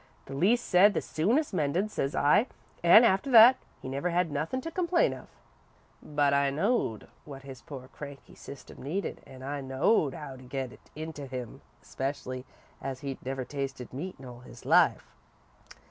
'The least said the soonest mended,' says I, an' after that, he never had nothin' to complain of. "But I knowed what his poor, cranky system needed, an' I knowed how to get it into him, especially as he'd never tasted meat in all his life.